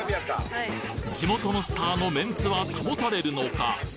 地元のスターのメンツは保たれるのか？